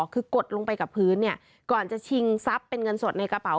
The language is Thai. คือกดลงไปกับพื้นก่อนจะชิงทรัพย์เป็นเงินสดในกระเป๋า